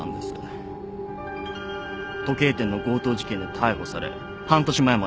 時計店の強盗事件で逮捕され半年前まで服役してました。